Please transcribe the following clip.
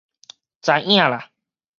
知影啦